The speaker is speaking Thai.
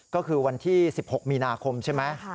ก็คือวันที่๑๖มีนาคมใช่ไหม